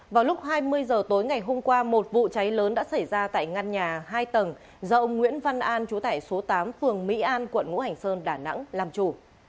vào lúc hai mươi h tối ngày hôm qua một vụ cháy lớn đã xảy ra tại ngân hàng hai tầng do ông nguyễn văn an chú tải số tám phường mỹ an quận ngũ hành sơn đà nẵng làm chủ